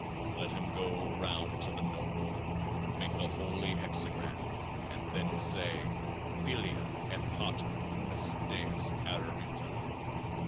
Let him go round to the North, make the Holy Hexagram, and then say : FILIA ET PATER UNUS DEUS ARARITA.